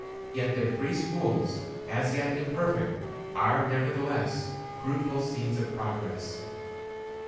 Yet their free schools, as yet imperfect, are, nevertheless, fruitful seeds of progress."